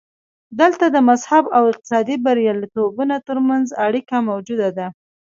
دلته د مذهب او اقتصادي بریالیتوبونو ترمنځ اړیکه موجوده ده.